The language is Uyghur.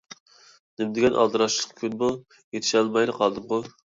نېمىدېگەن ئالدىراشچىلىق كۈن بۇ؟ يېتىشەلمەيلا قالدىمغۇ.